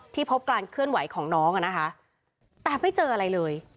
พบการเคลื่อนไหวของน้องอ่ะนะคะแต่ไม่เจออะไรเลย